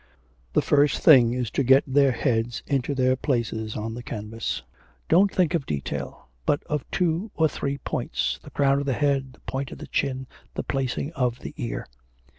'The first thing is to get the heads into their places on the canvas; don't think of detail; but of two or three points, the crown of the head, the point of the chin, the placing of the ear.